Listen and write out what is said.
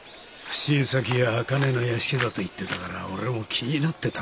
普請先が赤根の屋敷だと言ってたから俺も気になってたんだが。